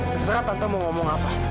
terserah tante mau ngomong apa